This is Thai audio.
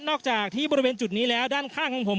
อกจากที่บริเวณจุดนี้แล้วด้านข้างของผม